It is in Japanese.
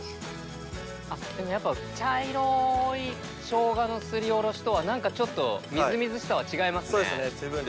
でもやっぱ茶色いショウガのすりおろしとは何かちょっとみずみずしさは違いますね。